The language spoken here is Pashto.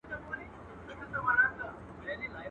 o چي ورور ئې نه کې، پر سپور بې نه کې.